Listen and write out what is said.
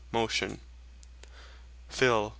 MOTION. PHIL.